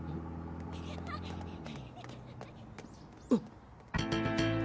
あっ！